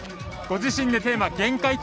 ご自身でテーマ限界